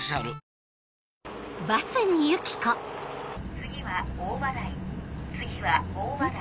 次は大葉台次は大葉台。